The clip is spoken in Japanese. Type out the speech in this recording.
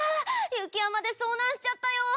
雪山で遭難しちゃったよ。